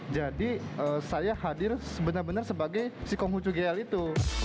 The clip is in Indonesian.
jadi saya hadir sebenarnya sebagai si konghucu gl itu